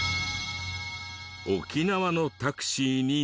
沖縄のタクシーに乗ると。